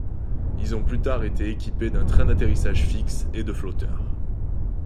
Ils ont plus tard été équipés d'un train d'atterrissage fixe et de flotteurs.